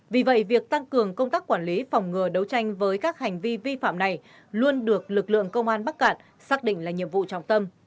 vì vậy việc tăng cường công tác quản lý phòng ngừa đấu tranh với các hành vi vi phạm này luôn được lực lượng công an bắc cạn xác định là nhiệm vụ trọng tâm